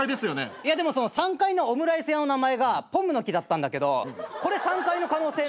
いやでもその３階のオムライス屋の名前がポムの樹だったんだけどこれ３階の可能性ない？